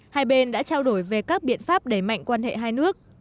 hai bên đã trao đổi về các biện pháp đẩy mạnh quan hệ hai nước